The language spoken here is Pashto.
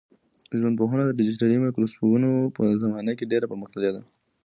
ژوندپوهنه د ډیجیټلي مایکروسکوپونو په زمانه کي ډېره پرمختللې ده.